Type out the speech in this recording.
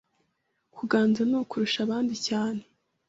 Kuganza ni uKurusha abandi cyane